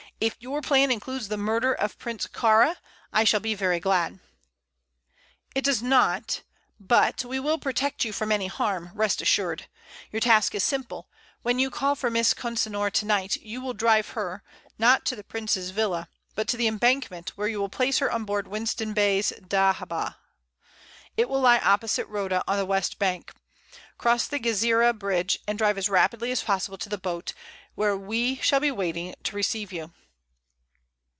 If your plan includes the murder of Prince Kāra, I shall be very glad." "It does not; but we will protect you from any harm, rest assured. Your task is simple. When you call for Miss Consinor to night you will drive her, not to the prince's villa, but to the embankment, where you will place her on board Winston Bey's dahabeah. It will lie opposite Roda, on the west bank. Cross the Gizireh bridge and drive as rapidly as possible to the boat, where we shall be waiting to receive you."